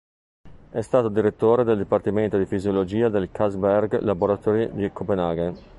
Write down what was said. È stato direttore del Dipartimento di Fisiologia del Carlsberg Laboratory di Copenaghen.